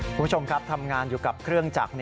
คุณผู้ชมครับทำงานอยู่กับเครื่องจักร